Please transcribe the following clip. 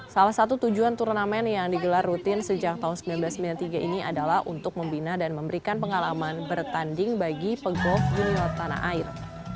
salah satu tujuan turnamen yang digelar rutin sejak tahun seribu sembilan ratus sembilan puluh tiga ini adalah untuk membina dan memberikan pengalaman bertanding bagi pegolf junior tanah air